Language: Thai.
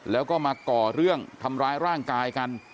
แล้วก็มาก่อเรื่องทำร้ายร่างกายกัน